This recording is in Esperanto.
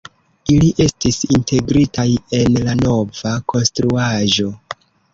Ili estis integritaj en la nova konstruaĵo.